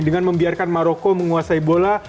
dengan membiarkan maroko menguasai bola